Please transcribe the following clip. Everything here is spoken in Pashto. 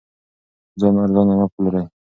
ځان ارزانه مه پلورئ.